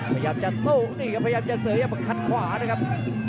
พยายามจะตรงนี้ครับพยายามจะเสยบขันขวานะครับ